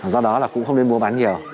do đó là cũng không nên mua bán nhiều